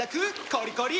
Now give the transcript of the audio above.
コリコリ！